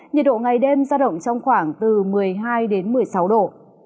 nhiệt độ ngày đêm ra động trong khoảng từ một mươi hai đến một mươi sáu độ